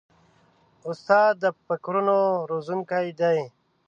استاد د فکرونو روزونکی دی.